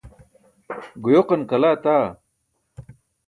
Guyoqan kala etaa!